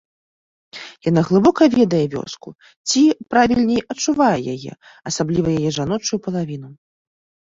Яна глыбока ведае вёску ці, правільней, адчувае яе, асабліва яе жаночую палавіну.